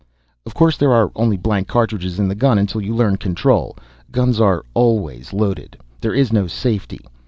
"Of course there are only blank charges in the gun until you learn control. Guns are always loaded. There is no safety.